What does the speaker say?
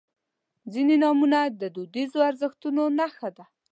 • ځینې نومونه د دودیزو ارزښتونو نښه ده.